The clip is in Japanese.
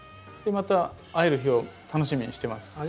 また会える日を楽しみにしてます。